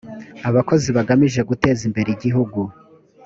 abakozi bagamije gutezimbere igihugu.